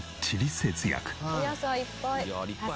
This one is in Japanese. お野菜いっぱい。